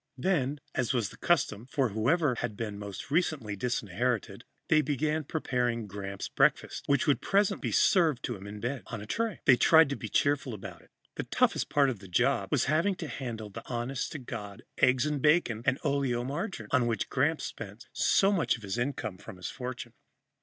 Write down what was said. Then, as was the custom for whoever had been most recently disinherited, they began preparing Gramps' breakfast, which would presently be served to him in bed, on a tray. They tried to be cheerful about it. The toughest part of the job was having to handle the honest to God eggs and bacon and oleomargarine, on which Gramps spent so much of the income from his fortune.